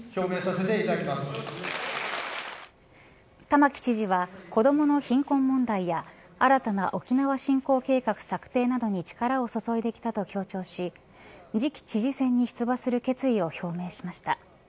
玉城知事は子どもの貧困問題や新たな沖縄振興計画策定などに力を注いできたと強調し次期知事選に出馬する決意を表明しました。